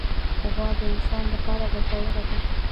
غوا د انسان له پاره ګټوره ده.